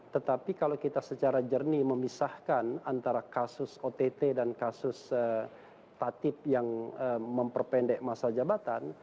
tetapi kalau kita secara jernih memisahkan antara kasus ott dan kasus tatip yang memperpendek masa jabatan